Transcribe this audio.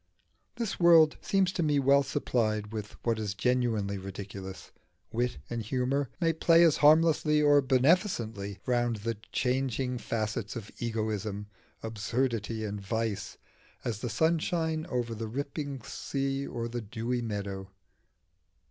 The world seems to me well supplied with what is genuinely ridiculous: wit and humour may play as harmlessly or beneficently round the changing facets of egoism, absurdity, and vice, as the sunshine over the rippling sea or the dewy meadows.